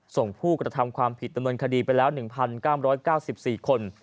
ส่งผู้กระทำความผิดดำเนินคดีไปแล้ว๑๙๙๔คน